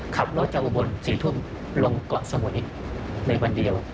ขับรถจากอุบล๔ทุ่มลงเกาะสมุยในวันเดียว